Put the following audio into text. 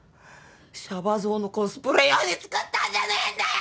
シャバ憎のコスプレ用に作ったんじゃねえんだよ！